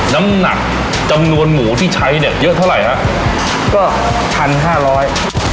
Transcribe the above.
น้ำหนักจำนวนหมูที่ใช้เนี่ยเยอะเท่าไหร่ฮะก็พันห้าร้อย